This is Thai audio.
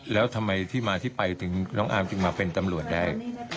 แล้วทำไมที่มาที่ไปถึงน้องอาร์มจึงมาเป็นตำรวจได้